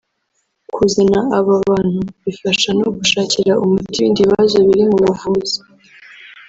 Kuzana aba bantu bifasha no gushakira umuti ibindi bibazo biri mu buvuzi